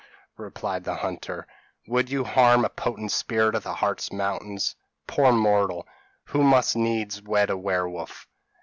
replied the hunter, 'would you harm a potent spirit of the Hartz Mountains. Poor mortal, who must needs wed a werewolf.'